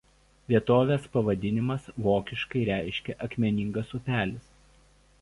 Vietovės pavadinimas vokiškai reiškia „akmeningas upelis“.